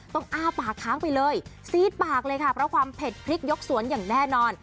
อ้าปากค้างไปเลยซีดปากเลยค่ะเพราะความเผ็ดพริกยกสวนอย่างแน่นอน